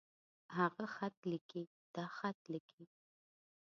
هغۀ خط ليکي. دا خط ليکي.